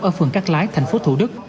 ở phường cát lái thành phố thủ đức